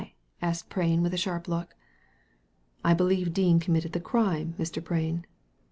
" asked Prain, with a sharp look. "I believe that Dean committed the crime, Mr. Prain."